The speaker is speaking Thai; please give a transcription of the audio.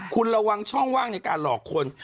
คุณระวังช่องว่างในการหลอกคน